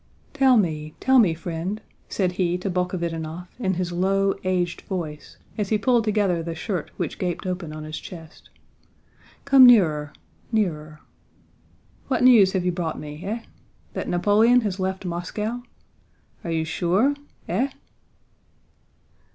"Tell me, tell me, friend," said he to Bolkhovítinov in his low, aged voice, as he pulled together the shirt which gaped open on his chest, "come nearer—nearer. What news have you brought me? Eh? That Napoleon has left Moscow? Are you sure? Eh?"